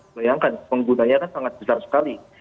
bayangkan penggunanya kan sangat besar sekali